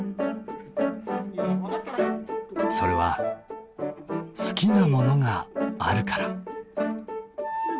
それは好きなものがあるから。